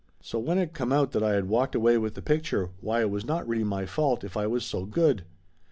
So when it come out that I had walked away with the picture, why it was not really my fault if I was so good.